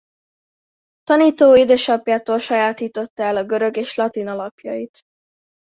Tanító édesapjától sajátította el a görög és latin alapjait.